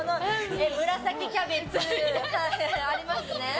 紫キャベツ。ありますね。